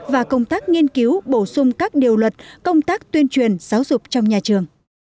và công tác nghiên cứu bổ sung các điều luật công tác tuyên truyền giáo dục trong nhà trường